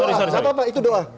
itu apa itu doa